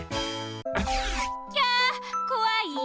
「キャこわい！」。